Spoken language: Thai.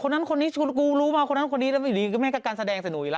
คนนั้นคนนี้กูรู้มาคนนั้นคนนี้แล้วอยู่ดีแม่กับการแสดงสนุยล่ะ